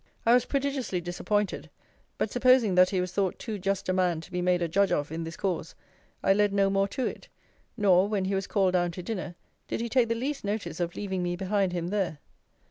I was prodigiously disappointed; but supposing that he was thought too just a man to be made a judge of in this cause; I led no more to it: nor, when he was called down to dinner, did he take the least notice of leaving me behind him there.